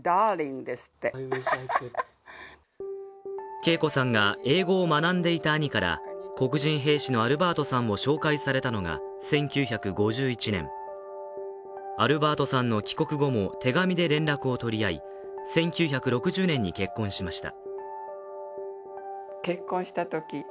恵子さんが英語を学んでいた兄から黒人兵士のアルバートさんを紹介されたのが１９５１年アルバートさんの帰国後も手紙で連絡を取り合い、１９６０年に結婚しました。